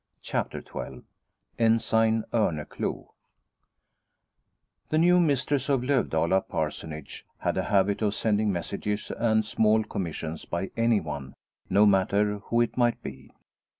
CHAPTER XII ENSIGN ORNECLOU r I ^HE new mistress of Lovdala Parsonage L had a habit of sending messages and small commissions by anyone, no matter who it might be.